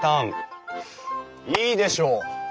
いいでしょう。